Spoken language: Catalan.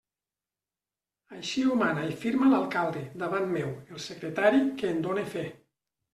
Així ho mana i firma l'alcalde, davant meu, el secretari, que en done fe.